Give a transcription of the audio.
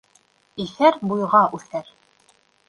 Иҫәр буйға үҫәр.